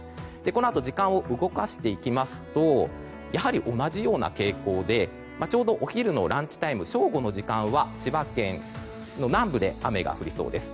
このあと時間を動かしますとやはり同じような傾向でちょうどお昼のランチタイム正午の時間は千葉県の南部で雨が降りそうです。